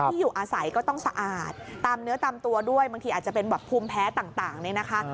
ที่อยู่อาศัยก็ต้องสะอาดตามเนื้อตามตัวด้วยบางทีอาจจะเป็นแบบภูมิแพ้ต่างเนี่ยนะคะ